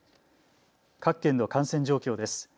各県の感染状況です。